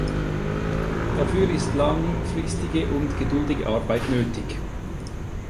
Dafür ist langfristige und geduldige Arbeit nötig.